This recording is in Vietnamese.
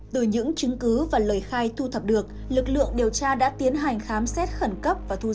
từ những chứng cứ và lời khai thu thập được lực lượng điều tra đã tiến hành khám xét khẩn cấp và thu giữ